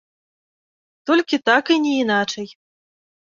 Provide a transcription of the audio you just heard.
Толькі так і не іначай!